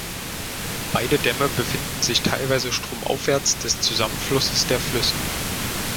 Beide Dämme befinden sich teilweise stromaufwärts des Zusammenflusses der Flüsse.